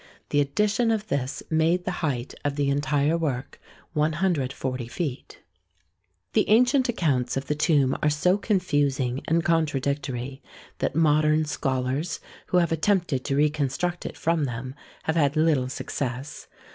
The addition of this made the height of the entire work 140 feet. The ancient accounts of the tomb are so con fusing and contradictory that modern scholars, who have attempted to reconstruct it from them, have had little success.